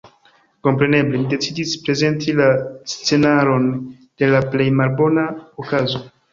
Kompreneble, mi decidis prezenti la scenaron de la plej malbona okazo.